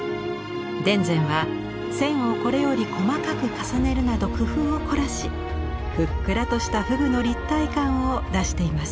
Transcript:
田善は線をこれより細かく重ねるなど工夫を凝らしふっくらとした河豚の立体感を出しています。